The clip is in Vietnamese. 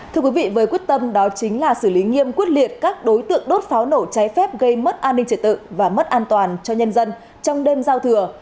thưa quý vị với quyết tâm đó chính là xử lý nghiêm quyết liệt các đối tượng đốt pháo nổ cháy phép gây mất an ninh trật tự và mất an toàn cho nhân dân trong đêm giao thừa